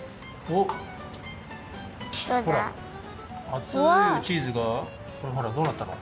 熱いチーズがほらほらどうなったの？